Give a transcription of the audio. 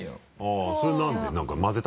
あぁそれはなんで？